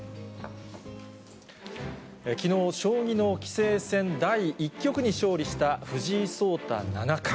きのう、将棋の棋聖戦第１局に勝利した藤井聡太七冠。